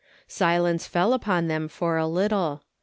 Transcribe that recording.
Silence fell upon them for a little.